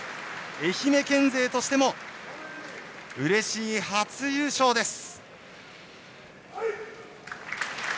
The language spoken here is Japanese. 愛媛県勢としてもうれしい初優勝です！